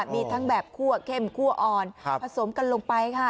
มีทั้งแบบคั่วเข้มขั้วอ่อนผสมกันลงไปค่ะ